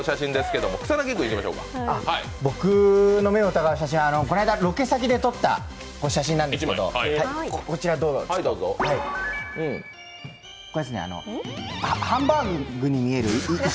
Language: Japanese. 僕の目を疑う写真はこの間、ロケ先で撮った写真なんですけど、ハンバーグに見える石。